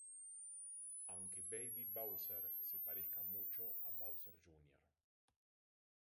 Aunque Baby Bowser se parezca mucho a Bowser Jr.